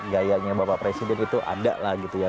gayanya bapak presiden itu ada lah gitu ya